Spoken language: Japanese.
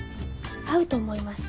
会うと思います。